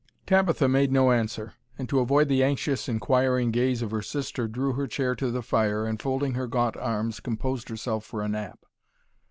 Tabitha made no answer, and to avoid the anxious inquiring gaze of her sister, drew her chair to the fire, and folding her gaunt arms, composed herself for a nap.